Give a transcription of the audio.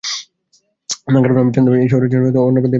কারণ, আমি জানতাম এই শহরের অন্য প্রান্তেই আমার মা বাস করে।